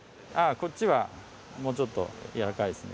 こっちはもうちょっとやわらかいですね